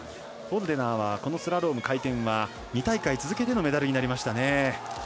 ホルデナーはスラローム回転は２大会続けてのメダルになりました。